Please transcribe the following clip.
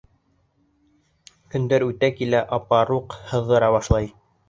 Көндәр үтә килә апаруҡ һыҙҙыра башлай.